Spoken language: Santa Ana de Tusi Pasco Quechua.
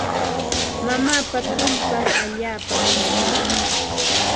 Mamaapa tullpan allaapa qushniikan.